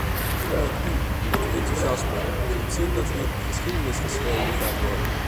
En ook u, met uw enthousiasme, zult zien dat hier geschiedenis geschreven gaat worden.